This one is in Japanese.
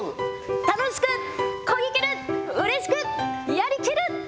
楽しくこぎきる、うれしく、やりきる。